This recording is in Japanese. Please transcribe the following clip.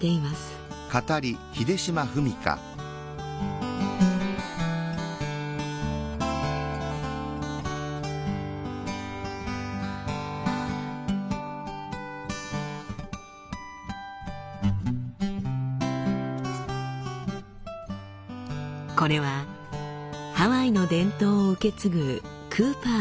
これはハワイの伝統を受け継ぐクーパー夫妻のお話。